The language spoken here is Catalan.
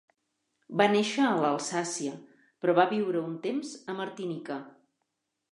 Va néixer a l'Alsàcia, però va viure un temps a Martinica.